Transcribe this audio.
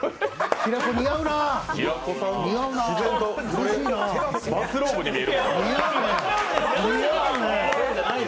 平子さん、バスローブに見える。